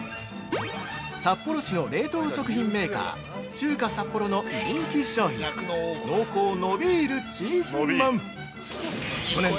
◆札幌市の冷凍食品メーカー「中華札幌」の人気商品「濃厚のびーるチーズまん」。